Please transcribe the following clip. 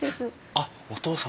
あっお義父様！